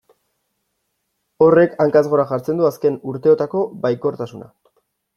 Horrek hankaz gora jartzen du azken urteotako baikortasuna.